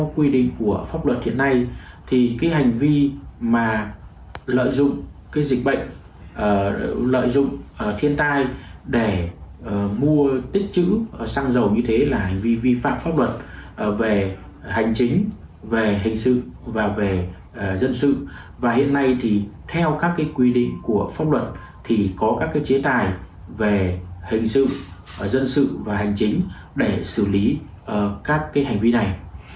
thì có các cái chế tài về hình sự dân sự và hành chính để xử lý các cái hành vi này